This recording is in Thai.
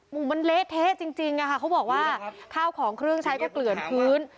มันเละเทะจริงอะค่ะเขาบอกว่าข้าวของเครื่องใช้ก็เกลื่อนพื้น